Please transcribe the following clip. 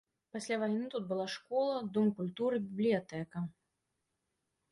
Пасля вайны тут была школа, дом культуры, бібліятэка.